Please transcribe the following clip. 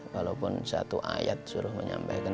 walaupun satu ayat suruh menyampaikan